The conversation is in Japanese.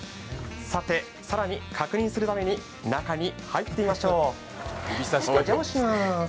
さて更に確認するために中に入ってみましょう。